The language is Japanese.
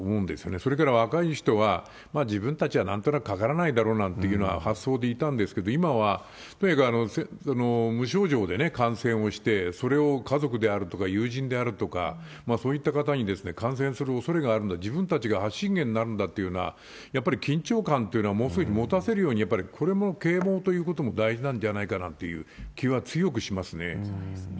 それから若い人は、自分たちはなんとなくかからないだろうなんていうような発想でいたんですけど、今はとにかく無症状で感染をして、それを家族であるとか友人であるとか、そういった方に感染するおそれがあるんだ、自分たちが発信源になるんだという、やっぱり緊張感というのをものすごい持たせるというような、啓蒙というのが大事なんじゃないかなという気は強くしますね。